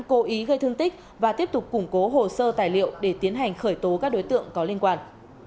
cố ý gây thương tích và tiếp tục củng cố hồ sơ tài liệu để tiến hành khởi tố các đối tượng có liên quan